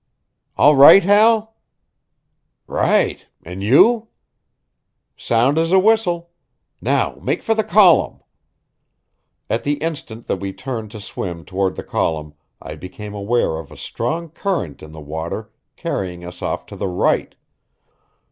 "All right, Hal?" "Right. And you?" "Sound as a whistle. Now make for the column." At the instant that we turned to swim toward the column I became aware of a strong current in the water carrying us off to the right.